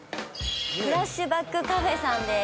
フラッシュバックカフェさんです